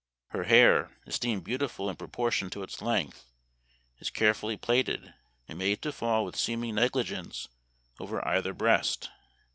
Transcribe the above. Her hair, esteemed beautiful in proportion to its length, is carefully plaited, and made to fall with seeming negligence over either breast.